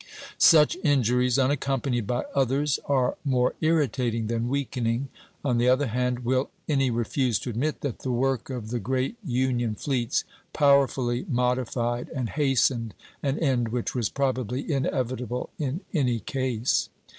Such injuries, unaccompanied by others, are more irritating than weakening. On the other hand, will any refuse to admit that the work of the great Union fleets powerfully modified and hastened an end which was probably inevitable in any case?